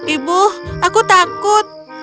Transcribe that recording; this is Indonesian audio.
ibu aku takut